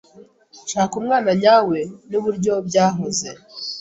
Shaka umwana nyawe, nuburyo byahoze